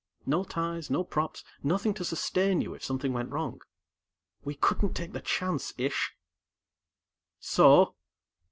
No ties, no props, nothing to sustain you if something went wrong. We couldn't take the chance, Ish!" "So?"